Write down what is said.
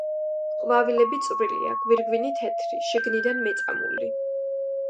ყვავილები წვრილია, გვირგვინი თეთრი, შიგნიდან მეწამული.